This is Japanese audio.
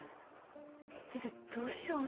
先生どうしよう？